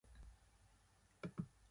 アスパラギン酸